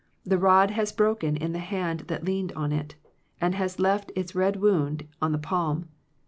The rod has broken in the hand that leaned on it, and has left its red wound on the palm.